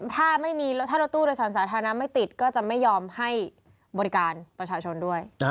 ถ้าไม่มีแล้วถ้ารถตู้โดยสารสาธารณะไม่ติดก็จะไม่ยอมให้บริการประชาชนด้วย